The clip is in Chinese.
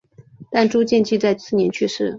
但朱见济在次年去世。